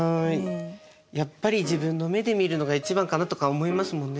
やっぱり自分の目で見るのが一番かなとか思いますもんね